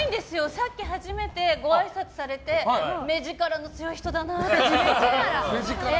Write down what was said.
さっき初めてごあいさつされて目力の強い人だなって。